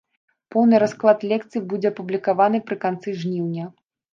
Поўны расклад лекцый будзе апублікаваны пры канцы жніўня.